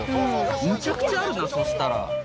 むちゃくちゃあるなそしたら。